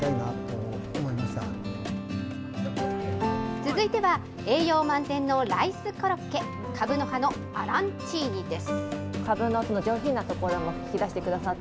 続いては、栄養満点のライスコロッケ、かぶの葉のアランチーニです。